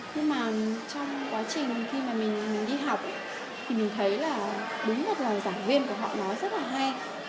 nhưng mà trong quá trình khi mà mình đi học thì mình thấy là đúng một lời giảng viên của họ nói rất là hay